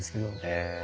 へえ。